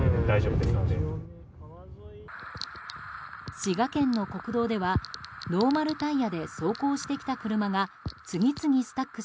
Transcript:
滋賀県の国道ではノーマルタイヤで走行してきた車が次々、スタックし